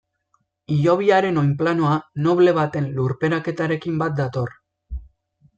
Hilobiaren oinplanoa noble baten lurperaketarekin bat dator.